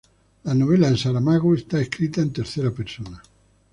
La novela de Saramago está escrita en tercera persona.